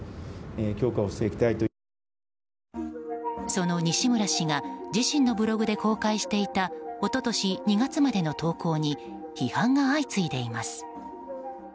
その西村氏が自身のブログで公開していた一昨年２月までの投稿に批判が相次いでいます。